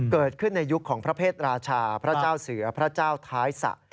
เกิดขึ้นในยุคของพระเศษราชาพระเจ้าเสือพระเจ้าท้ายสะ